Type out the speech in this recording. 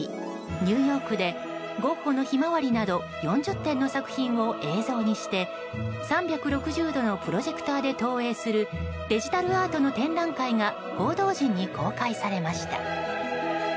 ニューヨークでゴッホの「ひまわり」など４０点の作品を映像にして、３６０度のプロジェクターで投影するデジタルアートの展覧会が報道陣に公開されました。